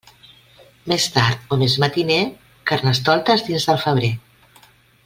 Més tard o més matiner, Carnestoltes, dins del febrer.